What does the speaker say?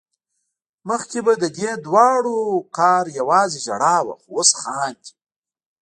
مخکې به ددې دواړو کار يوازې ژړا وه خو اوس خاندي